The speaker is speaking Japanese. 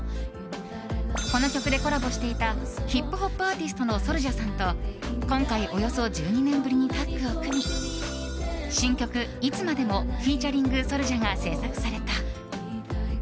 この曲でコラボしていたヒップホップアーティストのＳｏｕｌＪａさんと今回、およそ１２年ぶりにタッグを組み新曲「いつまでもｆｅａｔ．ＳｏｕｌＪａ」が制作された。